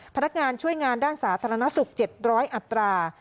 พนักงานช่วยงานด้านสาธารณสุข๗๐๐อัตรา